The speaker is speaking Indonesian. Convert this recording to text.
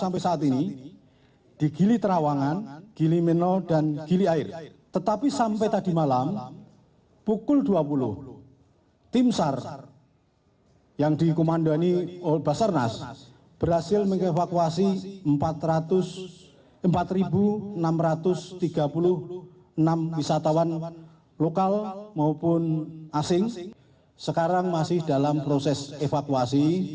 para wisatawan lokal maupun asing sekarang masih dalam proses evakuasi